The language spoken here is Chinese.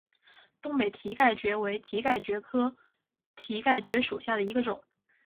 东北蹄盖蕨为蹄盖蕨科蹄盖蕨属下的一个种。